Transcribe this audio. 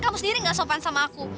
kamu sendiri nggak sopan sama aku